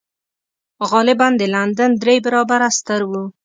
غالباً د لندن درې برابره ستر و